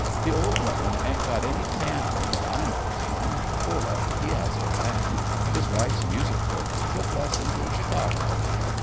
"The old woman ain't got any piany that I knows on. Olaf, he has a grand. His wife's musical; took lessons in Chicago."